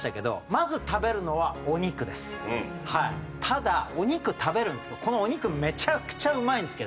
ただお肉食べるんですけどこのお肉めちゃくちゃうまいんですけど。